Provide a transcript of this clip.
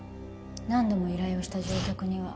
何度も依頼をした上客には